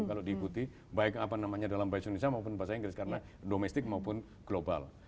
kalau diikuti baik apa namanya dalam bahasa indonesia maupun bahasa inggris karena domestik maupun global